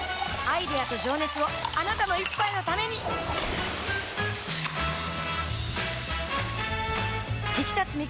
アイデアと情熱をあなたの一杯のためにプシュッ！